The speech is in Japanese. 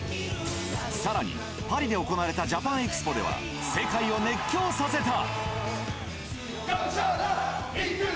さらに、パリで行われたジャパンエキスポでは、世界を熱狂させた。